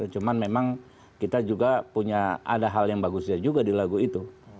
cuman memang kita juga punya ada hal yang bagusnya juga di lagu itu